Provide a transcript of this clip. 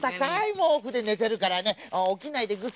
もうふでねてるからねおきないでぐっすりねてるよ。